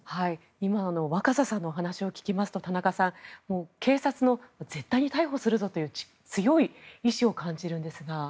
今の若狭さんのお話を聞きますと、田中さん警察の絶対に逮捕するぞという強い意思を感じるんですが。